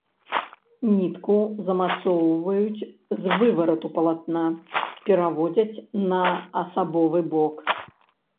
Нітку замацоўваюць з выварату палатна, пераводзяць на асабовы бок.